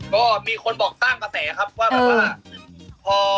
ก็มีคนบอกต้างตาแต่ครับว่าแบบว่า